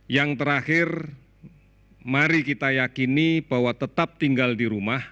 yang terakhir mari kita yakini bahwa tetap tinggal di rumah